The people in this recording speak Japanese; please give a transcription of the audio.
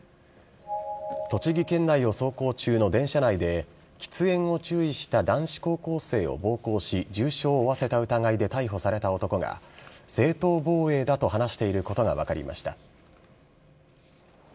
栃木県内を走行中の電車内で、喫煙を注意した男子高校生を暴行し、重傷を負わせた疑いで逮捕された男が、正当防衛だと話していることが分かりました。